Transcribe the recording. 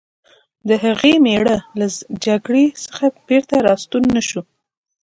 د هغې مېړه له جګړې څخه بېرته راستون نه شو